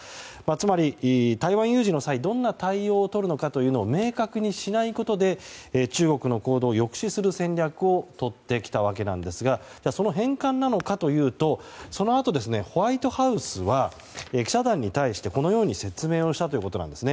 つまり、台湾有事の際どんな対応をとるのかというのを明確にしないことで中国の行動を抑止する戦略をとってきたわけなんですがその転換なのかというとそのあと、ホワイトハウスは記者団に対してこのように説明をしたということなんです。